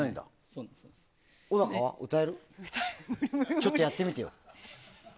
ちょっとやってみてよ。